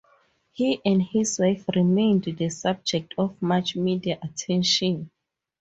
He and his wife remained the subject of much media attention.